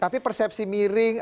tapi persepsi miring